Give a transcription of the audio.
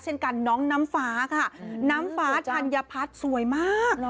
เช่นกันน้องน้ำฟ้าค่ะน้ำฟ้าธัญพัฒน์สวยมาก